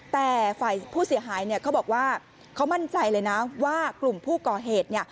แต่ฝ่ายผู้เสียหายเขาบอกว่าเขามั่นใจเลยนะว่ากลุ่มผู้ก่อเหตุ